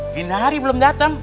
gini hari belum dateng